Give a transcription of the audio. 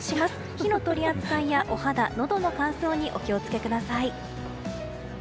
火の取り扱いやお肌、のどの乾燥にお気を付けください。